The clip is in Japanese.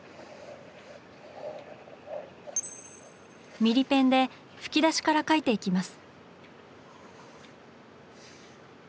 ミリペンで吹き出しから描いていきます。